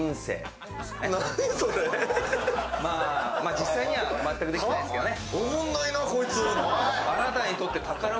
実際には全くできてないですけどね。